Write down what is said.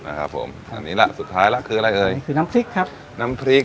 นะครับผมอันนี้ล่ะสุดท้ายแล้วคืออะไรเอ่ยคือน้ำพริกครับน้ำพริก